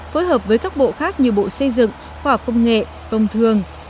phối hợp với các bộ khác như bộ xây dựng khỏa công nghệ công thường